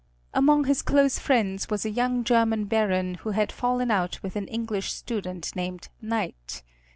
Among his close friends was a young German baron who had fallen out with an English student named Knight.